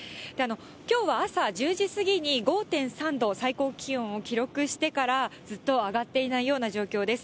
きょうは朝１０時過ぎに５．３度、最高気温を記録してから、ずっと上がっていないような状況です。